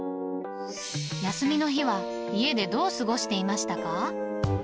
休みの日は家でどう過ごしていましたか？